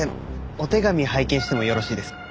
お手紙拝見してもよろしいですか？